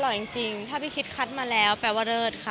จริงถ้าพี่คิดคัดมาแล้วแปลว่าเลิศค่ะ